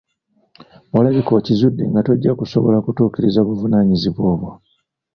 Olabika okizudde nga tojja kusobola kutuukiriza buvunaanyizibwa obwo.